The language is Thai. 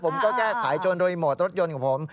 ผมก็แก้ไขโจรรีโมทรถยนต์ของผม